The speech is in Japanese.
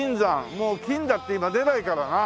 もう金だって今出ないからな。